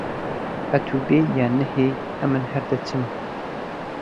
ئەتوو بێی یان نەهێی، ئەمن هەر دەچم.